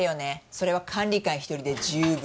それは管理官一人で十分。